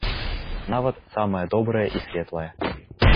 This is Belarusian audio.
Нават самае добрае і светлае.